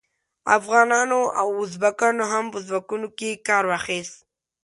افغانانو او ازبکانو هم په ځواکونو کې کار واخیست.